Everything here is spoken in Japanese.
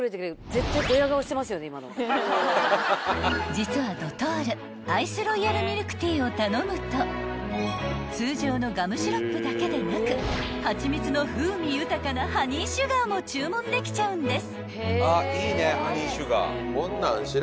［実はドトールアイスロイヤルミルクティーを頼むと通常のガムシロップだけでなく蜂蜜の風味豊かなハニーシュガーも注文できちゃうんです］